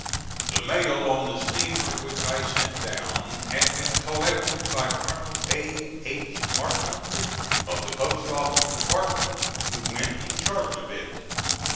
The mail on the steamer which I sent down, had been collected by Colonel A. H. Markland of the Post Office Department, who went in charge of it.